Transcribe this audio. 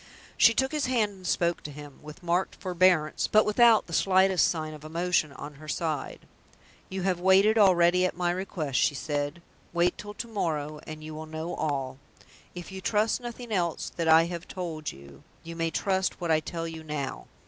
She took his hand and spoke to him with marked forbearance, but without the slightest sign of emotion on her side. "You have waited already at my request," she said. "Wait till to morrow, and you will know all. If you trust nothing else that I have told you, you may trust what I tell you now.